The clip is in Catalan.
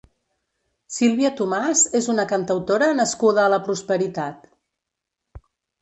Sílvia Tomàs és una cantautora nascuda a La Prosperitat.